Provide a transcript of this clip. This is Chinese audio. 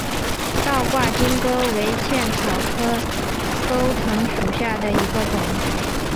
倒挂金钩为茜草科钩藤属下的一个种。